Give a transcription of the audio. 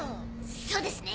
そうですね。